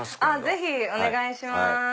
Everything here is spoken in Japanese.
ぜひお願いします。